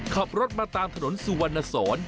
ขับรถมาตามถนนสุวรรณสอน